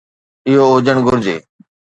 اهو هجڻ گهرجي.